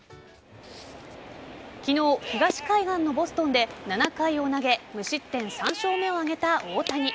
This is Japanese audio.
昨日、東海岸のボストンで７回を投げ無失点３勝目を挙げた大谷。